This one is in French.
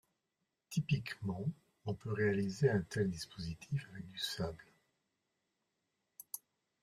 Typiquement, on peut réaliser un tel dispositif avec du sable.